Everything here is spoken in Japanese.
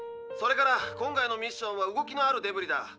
それから今回のミッションは動きのあるデブリだ。